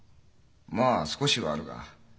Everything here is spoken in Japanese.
まあ少しはあるが。